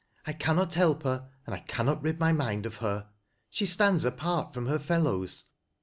I cannot help her and I cannot rid my mind of her. She stands apart from her fellows.